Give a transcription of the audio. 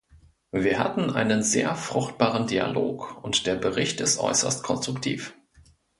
Wir hatten einen sehr fruchtbaren Dialog, und der Bericht ist äußerst konstruktiv.